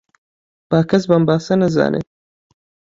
با کەس بەم باسە نەزانێت